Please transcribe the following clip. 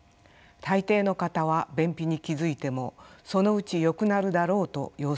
大抵の方は便秘に気付いてもそのうちよくなるだろうと様子を見ています。